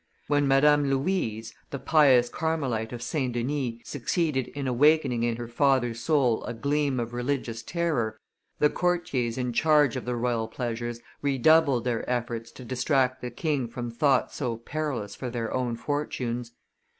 When Madame Louise, the pious Carmelite of St. Denis, succeeded in awakening in her father's soul a gleam of religious terror, the courtiers in charge of the royal pleasures redoubled their efforts to distract the king from thoughts so perilous for their own fortunes.